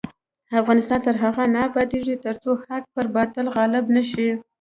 افغانستان تر هغو نه ابادیږي، ترڅو حق پر باطل غالب نشي.